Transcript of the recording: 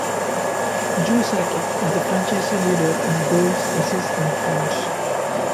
Joe Sakic is the franchise leader in goals, assists and points.